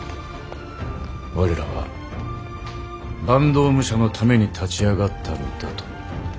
我らは坂東武者のために立ち上がったのだと。